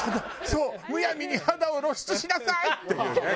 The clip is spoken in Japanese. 「そう無闇に肌を露出しなさい！」っていうね。